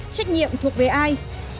trách nhiệm thuộc về ai